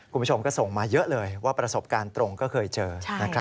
คุณผู้ชมก็ส่งมาเยอะเลยว่าประสบการณ์ตรงก็เคยเจอนะครับ